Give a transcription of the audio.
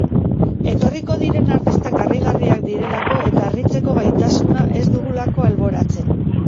Etorriko diren artistak harrigarriak direlako eta harritzeko gaitasuna ez dugulako alboratzen.